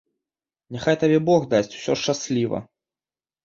Няхай табе бог дасць усё шчасліва.